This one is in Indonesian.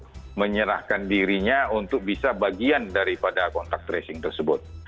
untuk menyerahkan dirinya untuk bisa bagian daripada kontak tracing tersebut